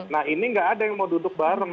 nah ini nggak ada yang mau duduk bareng